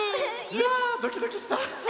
いやドキドキした！